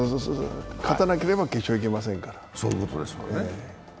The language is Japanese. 勝たなければ決勝行けませんから。